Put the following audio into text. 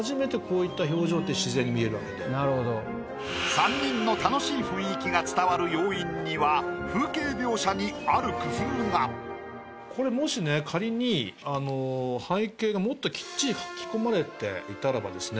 ３人の楽しい雰囲気が伝わる要因にはこれもしね仮に背景がもっときっちり描き込まれていたらばですね